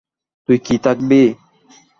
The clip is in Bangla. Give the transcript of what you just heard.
তুই কি থাকবি?